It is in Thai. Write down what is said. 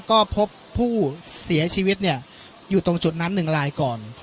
ก็พบผู้เสียชีวิตเนี่ยอยู่ตรงจุดนั้นหนึ่งลายก่อน